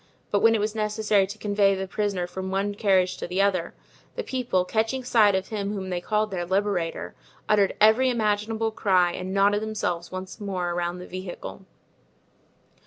But when it was necessary to convey the prisoner from one carriage to the other, the people, catching sight of him whom they called their liberator, uttered every imaginable cry and knotted themselves once more around the vehicle.